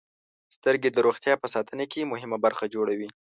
• سترګې د روغتیا په ساتنه کې مهمه برخه جوړوي.